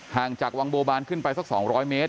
ห่างจากวังโบบานขึ้นไปสัก๒๐๐เมตร